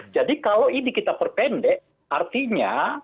jadi kalau ini kita perpendek artinya